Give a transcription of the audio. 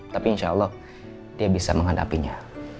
tapi insya allah dia bisa menghadapinya